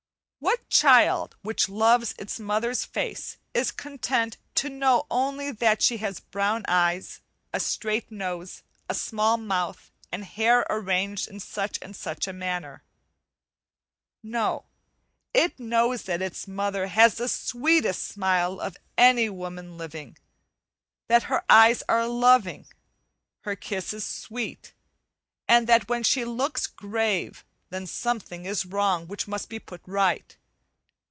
What child which loves its mother's face is content to know only that she has brown eyes, a straight nose, a small mouth, and hair arranged in such and such a manner? No, it knows that its mother has the sweetest smile of any woman living; that her eyes are loving, her kiss is sweet, and that when she looks grave, then something is wrong which must be put right.